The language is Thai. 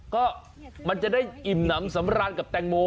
ก็มันจะได้อิ่มน้ำสำราญกับแตงโม